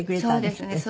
そうですね。